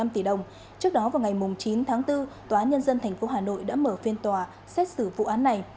trước đó vào ngày chín tháng bốn tòa nhân dân tp hà nội đã mở phiên tòa xét xử vụ án này